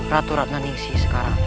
ratu ratna ningsi sekarang